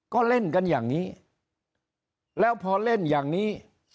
ก็เล่นกันอย่างนี้แล้วพอเล่นอย่างนี้